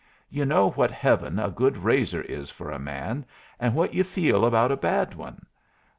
You know what heaven a good razor is for a man, and what you feel about a bad one.